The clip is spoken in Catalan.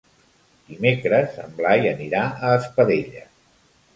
Dimecres en Blai anirà a Espadella.